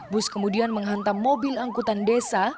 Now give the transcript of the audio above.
bus kemudian menghantam mobil angkutan desa